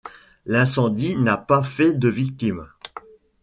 L'incendie n'a pas fait de victime.